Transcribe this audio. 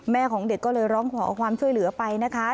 ของเด็กก็เลยร้องขอความช่วยเหลือไปนะคะ